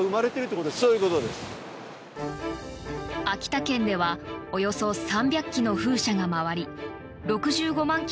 秋田県ではおよそ３００基の風車が回り６５万